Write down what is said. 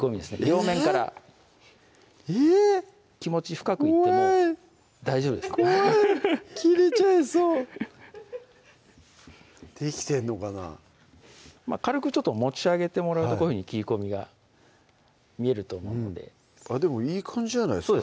両面からえぇっ怖い大丈夫です怖い切れちゃいそうできてんのかな軽く持ち上げてもらうとこういうふうに切り込みが見えると思うのででもいい感じじゃないですか？